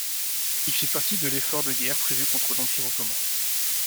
Il fit partie de l'effort de guerre prévue contre l'Empire ottoman.